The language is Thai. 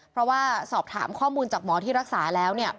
เพราะว่าสอบถามข้อมูลจากหมอที่รักษาแล้ว